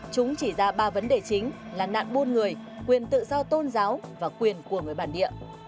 chúng chỉ ra ba vấn đề chính là nạn buôn người quyền tự do tôn giáo và quyền của người bản địa